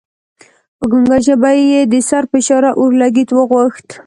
په ګنګه ژبه یې د سر په اشاره اورلګیت وغوښت.